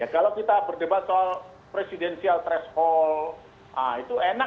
kalau kita berdebat soal presidensial threshold itu enak